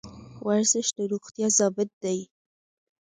ورزش د روغتیا ضامن دی